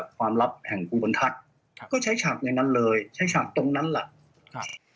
ก็ใช้ฉากในนั้นเลยใช้ฉากตรงนั้นแหละ